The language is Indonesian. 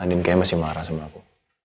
andien kaya masih marah sama aku